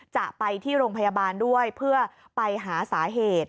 จะไปที่โรงพยาบาลด้วยเพื่อไปหาสาเหตุ